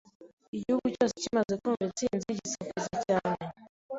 Igihugu cyose kimaze kumva intsinzi, gisakuza cyane.